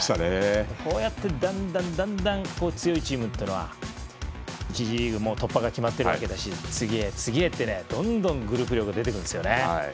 こうやってだんだん強いチームというのは１次リーグ突破が決まっているわけだし次へ、次へってどんどんグループ力が出てくるんですよね。